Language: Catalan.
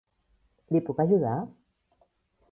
Li puc ajudar?